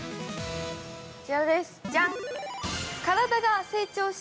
◆こちらです、ジャン！